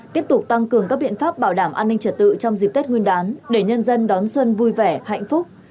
tiếp tục tăng cường các biện pháp bảo đảm an ninh trật tự trong dịp tết nguyên đán để nhân dân đón xuân vui vẻ hạnh phúc